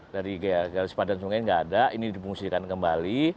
dari garis padat sungai nggak ada ini dipungsikan kembali